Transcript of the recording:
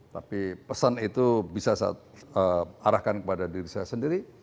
tapi pesan itu bisa saya arahkan kepada diri saya sendiri